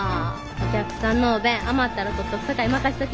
お客さんのお弁余ったら取っとくさかい任しとき。